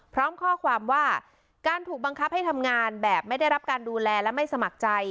พร้อมข้อความว่าการถูกบังคับให้ทำงานแบบไม่ได้รับการดูแลและไม่สมัครใจ